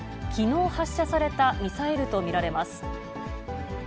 きのう発射されたミサイルと見られます。